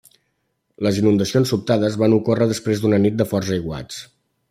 Les inundacions sobtades van ocórrer després d'una nit de forts aiguats.